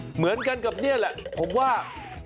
เหมือนกันกับนี่แหละผมว่า